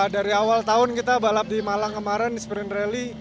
dari awal tahun kita balap di malang kemarin di sprint rally